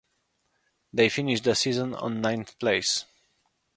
They finished the season on ninth place.